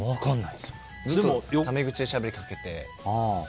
ずっとタメ口でしゃべりかけてて。